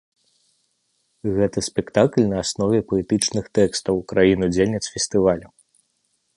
Гэта спектакль на аснове паэтычных тэкстаў краін-удзельніц фестывалю.